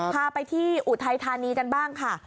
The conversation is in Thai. พาไปที่อุทัยธานีกันบ้างค่ะ